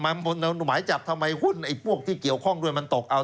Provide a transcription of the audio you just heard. หมายจับทำไมหุ้นไอ้พวกที่เกี่ยวข้องด้วยมันตกเอา